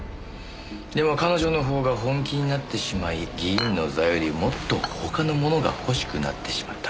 でも彼女の方が本気になってしまい議員の座よりもっと他のものが欲しくなってしまった。